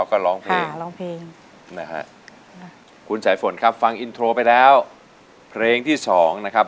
คุณสายฝนจะสู้หรือจะหยุดครับ